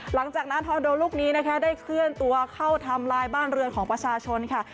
หลังจากนั้นฮอนโดลูกนี้นะคะได้เคลื่อนตัวเข้าทำลายบ้านเรือนของประชาชนค่ะ